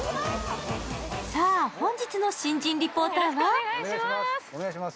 さぁ、本日の新人リポーターは？